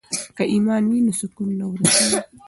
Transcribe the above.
که ایمان وي نو سکون نه ورکیږي.